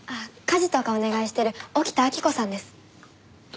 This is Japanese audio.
家事とかお願いしてる沖田晃子さんです。